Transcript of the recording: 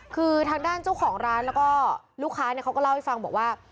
คือทางด้านเจ้าของร้านแล้วก็ลูกค้าเขาก็เล่าให้ฟังบอกว่า